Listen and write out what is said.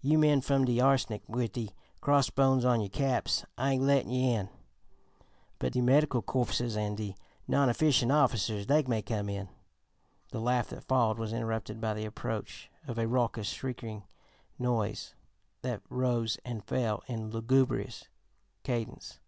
You men fum de Arsenic wid de crossbones on you caps, I ain't lettin' you in; but de Medical Corpses an' de Non efficient Officers, dey may come.'" The laugh that followed was interrupted by the approach of a raucous, shrieking noise that rose and fell in lugubrious cadence.